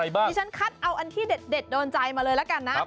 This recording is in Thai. อย่างมีเชิญคัทเอาอันนี้แดดโดนใจมาเลยล่ะกันนะ